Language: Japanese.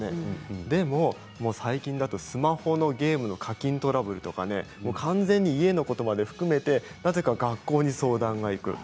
でも最近だとスマホのゲームの課金トラブルとか完全に家のことまで含めてなぜか学校に相談がいく。